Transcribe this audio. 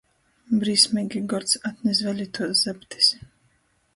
Brīsmeigi gords! Atnes vēļ ituos zaptis!...